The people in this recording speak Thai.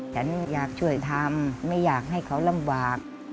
ฉันอยากช่วยทำไม่อยากให้เขาลำบาก